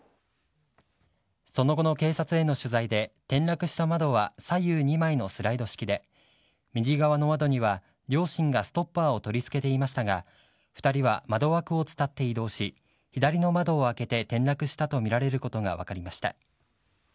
その後の警察への取材で、転落した窓は左右２枚のスライド式で、右側の窓には両親がストッパーを取り付けていましたが、２人は窓枠を伝って移動し、左の窓を開けて転落したと見られることが分かりました。